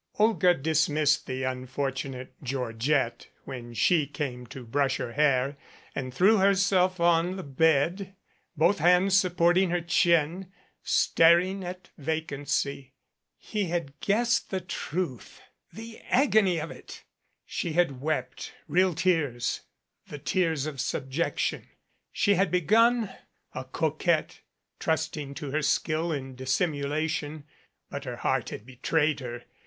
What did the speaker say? Olga dismissed the unfortunate Georgette when she came to brush her hair and threw herself on the bed, both hands supporting her chin, staring at vacancy. He had guessed the truth the agony of it ! She had wept real tears, the tears of subjection. She had begun a coquette, trusting to her skill in dissimulation, but her heart had betrayed her.